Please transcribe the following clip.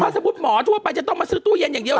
สมมุติหมอทั่วไปจะต้องมาซื้อตู้เย็นอย่างเดียว